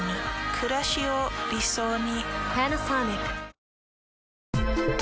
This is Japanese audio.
くらしを理想に。